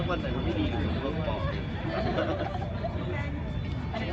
แม่กับผู้วิทยาลัย